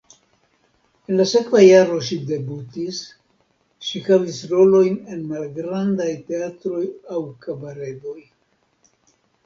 En la sekva jaro ŝi debutis, ŝi havis rolojn en malgrandaj teatroj aŭ kabaredoj.